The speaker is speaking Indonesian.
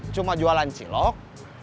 cuma jualan cilok